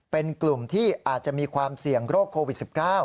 เป็นกลุ่มที่อาจจะมีความเสี่ยงโรคโควิด๑๙